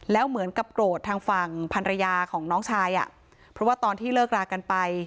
แล้วเหมือนกับโกรธทางฝั่งภรรยาของน้องชายอ่ะเพราะว่าตอนที่เลิกรากันไป